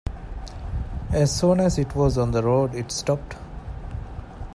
As soon as it was on the road it stopped.